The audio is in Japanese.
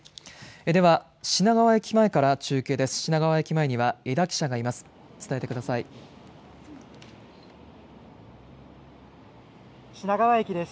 では、品川駅前から中継です。